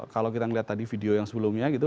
kalau kita melihat tadi video yang sebelumnya gitu